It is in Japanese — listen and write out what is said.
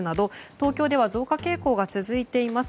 東京では増加傾向が続いています。